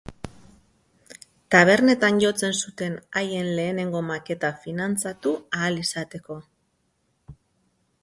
Tabernetan jotzen zuten haien lehenengo maketa finantzatu ahal izateko.